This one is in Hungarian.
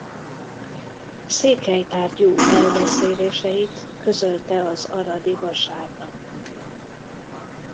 Székely tárgyú elbeszéléseit közölte az aradi Vasárnap.